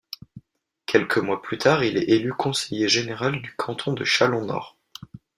Quelques mois plus tard il est élu conseiller général du canton de Chalon-Nord.